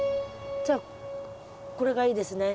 じゃあこれがいいですね。